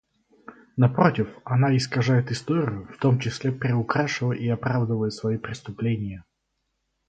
Напротив, она искажает историю, в том числе приукрашивая и оправдывая свои преступления.